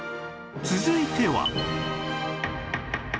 続いては